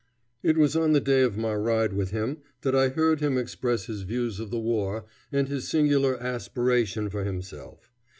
It was on the day of my ride with him that I heard him express his views of the war and his singular aspiration for himself.